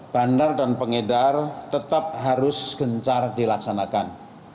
bandar dan pengedar tetap harus gencar dilaksanakan